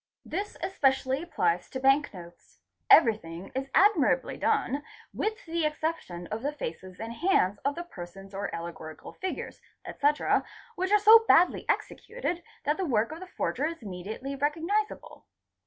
'This especially applies to bank notes ; everything is admirably done with the exception of the faces and hands of the persons or allegorical figures, etc., which are so badly executed that the work of the forger is immediately recognisable.